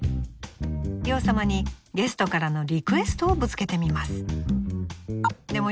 洋さまにゲストからのリクエストをぶつけてみます。